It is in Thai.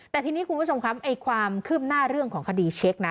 แต่ทีนี้คุณผู้ชมครับไอ้ความคืบหน้าเรื่องของคดีเช็คนะ